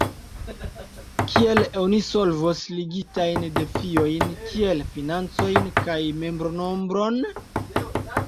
Kiel oni solvos ligitajn defiojn kiel financojn kaj membronombron?